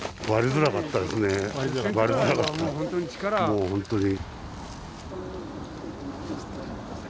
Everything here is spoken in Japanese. もう本当に。